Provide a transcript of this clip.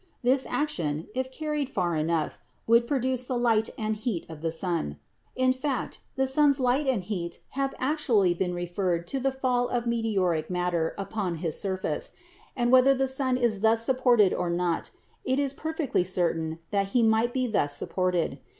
This action, if carried far enough, would pro duce the light and heat of the sun. In fact, the sun's light and heat have actually been referred to the fall of meteoric matter upon his surface ; and whether the sun is thus sup ported or not, it is perfectly certain that he might be thus PHYSIOLOGICAL IDEA OF LIFE 27 supported.